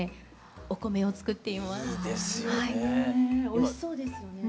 おいしそうですよね。ね。